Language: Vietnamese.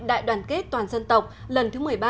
đại đoàn kết toàn dân tộc lần thứ một mươi ba